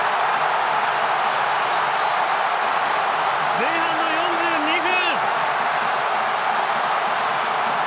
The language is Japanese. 前半の４２分！